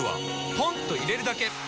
ポンと入れるだけ！